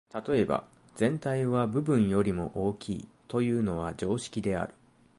例えば、「全体は部分よりも大きい」というのは常識である。